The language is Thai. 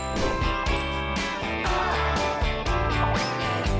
สวัสดีครับทุกคน